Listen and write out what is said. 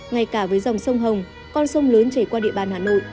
ngay cả với dòng sông hồng con sông lớn chảy qua địa bàn hà nội